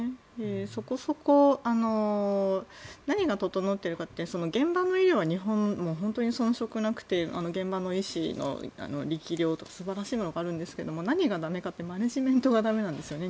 そこそこ、何が整っているかって現場の医療は日本も本当に遜色なくて現場の医師の力量は素晴らしいものがあるんですが何が駄目かってマネジメントが駄目なんですね。